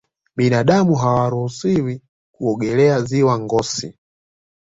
binadamu hawaruhusiwi kuogelea ziwa ngosi